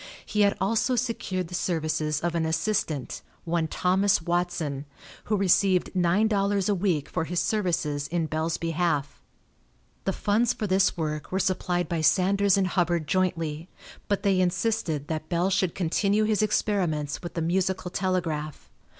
He had also secured the services of an assistant, one Thomas Watson, who received nine dollars a week for his services in Bell's behalf. The funds for this work were supplied by Sanders and Hubbard jointly, but they insisted that Bell should continue his experiments with the musical telegraph.